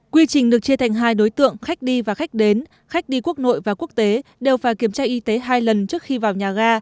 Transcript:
quy trình được chia thành hai đối tượng khách đi và khách đến khách đi quốc nội và quốc tế đều phải kiểm tra y tế hai lần trước khi vào nhà ga